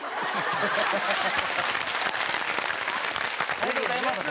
ありがとうございます。